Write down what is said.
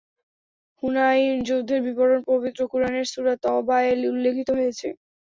হুনাইন যুদ্ধের বিবরণ পবিত্র কুরআনের সূরা তওবায় উল্লেখিত হয়েছে।